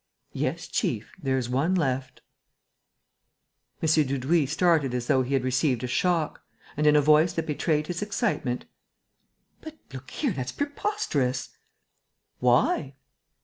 "Yes, chief, there's one left...." M. Dudouis started as though he had received a shock; and, in a voice that betrayed his excitement: "But, look here, that's preposterous." "Why?"